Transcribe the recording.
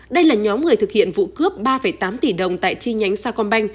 đây là nhóm người thực hiện vụ cướp ba tám tỷ đồng tại chi nhánh sa công banh